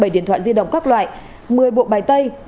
bảy điện thoại di động các loại một mươi bộ bài tay